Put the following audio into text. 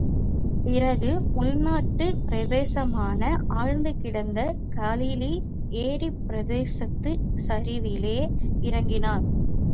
பிறகு உள்நாட்டு பிரதேசமான ஆழ்ந்து கிடந்த காலிலீ ஏரிப் பிரதேசத்துச் சரிவிலே இறங்கினான்.